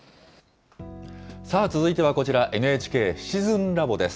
さあ、続いてはこちら、ＮＨＫシチズンラボです。